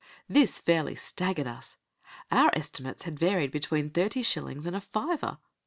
This fairly staggered us. Our estimates had varied between thirty shillings and a fiver.